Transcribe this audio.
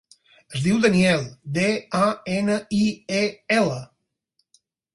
Es diu Daniel: de, a, ena, i, e, ela.